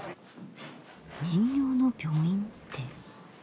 「人形の病院」って。